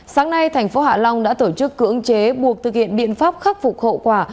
sáng nay thành phố hạ long đã tổ chức cưỡng chế buộc thực hiện biện pháp khắc phục hậu quả